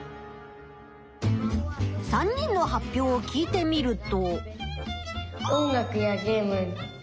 ３人の発表を聞いてみると。